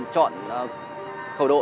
chọn khẩu độ